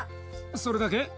それだけ？